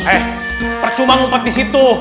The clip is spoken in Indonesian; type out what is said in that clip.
eh percuma ngumpet disitu